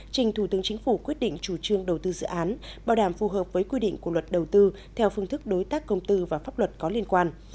trình thủ tướng chính phủ quyết định chủ trương đầu tư dự án bảo đảm phù hợp với quy định của luật đầu tư theo phương thức đối tác công tư và pháp luật có liên quan